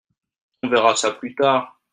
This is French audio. on verra ça plus tard.